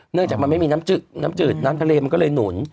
จากมันไม่มีน้ำจืดน้ำทะเลมันก็เลยหนุน